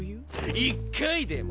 １回でも！？